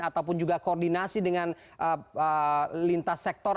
ataupun juga koordinasi dengan lintas sektor